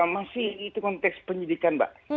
masih itu konteks penyidikan mbak